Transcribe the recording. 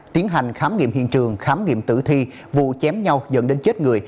tiến hành khám nghiệm hiện trường khám nghiệm tử thi vụ chém nhau dẫn đến chết người